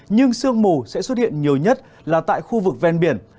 nhưng sương mù sẽ xuất hiện nhiều nhất là tại khu vực ven biển